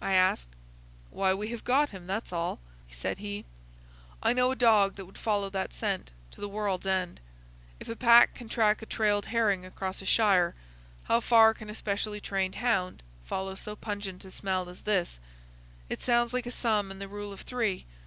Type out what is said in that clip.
I asked. "Why, we have got him, that's all," said he. "I know a dog that would follow that scent to the world's end. If a pack can track a trailed herring across a shire, how far can a specially trained hound follow so pungent a smell as this? It sounds like a sum in the rule of three.